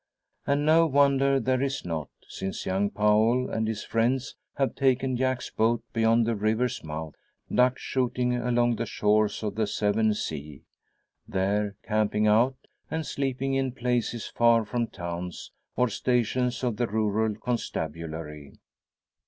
And no wonder there is not; since young Powell and his friends have taken Jack's boat beyond the river's mouth duck shooting along the shores of the Severn sea there camping out, and sleeping in places far from towns, or stations of the rural constabulary.